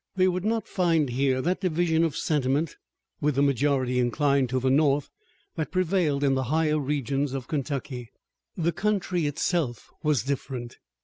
They would not find here that division of sentiment, with the majority inclined to the North, that prevailed in the higher regions of Kentucky. The country itself was different.